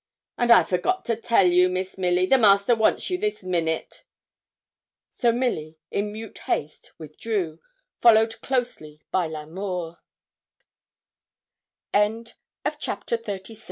'And I forgot to tell you, Miss Milly, the master wants you this minute.' So Milly, in mute haste, withdrew, followed closely by L'Amour. CHAPTER XXXVII _DOCTOR BRYER